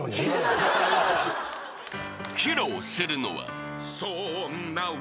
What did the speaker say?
［披露するのは］